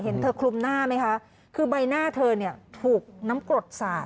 เห็นเธอคลุมหน้าไหมคะคือใบหน้าเธอเนี่ยถูกน้ำกรดสาด